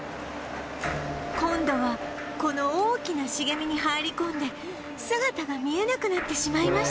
今度はこの大きな茂みに入り込んで姿が見えなくなってしまいました